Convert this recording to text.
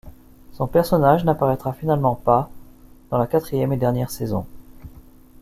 Son personnage n'apparaîtra finalement pas, dans la quatrième et dernière saison.